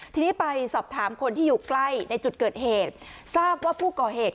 ทีนี้ไปสอบถามคนที่อยู่ใกล้ในจุดเกิดเหตุ